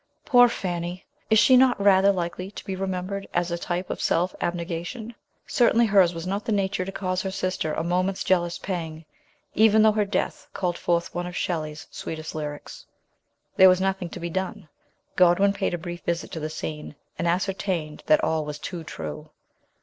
Poor Fanny ! Is she not rather likely to be remembered as a type of self abnegation ? Cer tainly hers was not the nature to cause her sister a moment's jealous pang, even though her death called forth one of Shelley's sweetest lyrics. There was nothing to be done. Godwin paid a brief visit to the scene, and ascertained that all was too true.